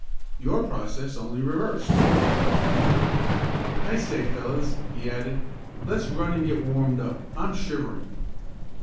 "Your process, only reversed," commented Tom. "I say fellows," he added, "let's run and get warmed up. I'm shivering."